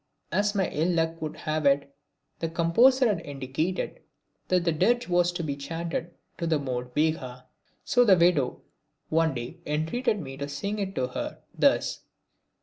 As my ill luck would have it, the composer had indicated that the dirge was to be chanted to the mode Behaga. So the widow one day entreated me to sing it to her thus.